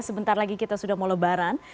sebentar lagi kita sudah mau lebaran